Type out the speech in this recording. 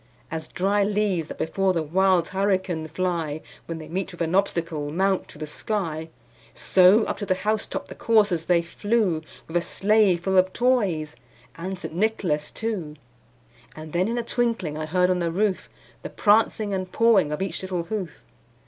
As dry leaves that before the wild hurricane fly, When they meet with an obstacle, mount to the sky, So, up to the house top the coursers they flew, With a sleigh full of toys and St. Nicholas too. And then in a twinkling I heard on the roof, The prancing and pawing of each little hoof.